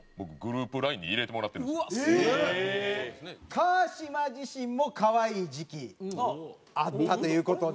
川島自身も可愛い時期あったという事で。